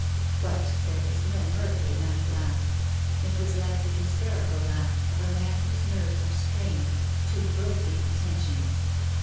But there was no mirth in that laugh. It was like the hysterical laugh of a man whose nerves are strained to breaking tension.